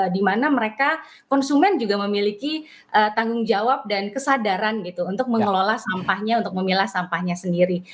dimana mereka konsumen juga memiliki tanggung jawab dan kesadaran gitu untuk mengelola sampahnya untuk memilah sampahnya sendiri